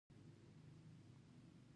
ما ورته وویل: داسې نه ده، لامل یې دا و.